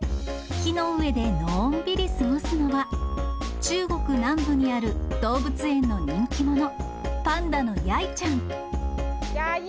木の上でのんびり過ごすのは、中国南部にある動物園の人気者、パンダのヤイちゃん。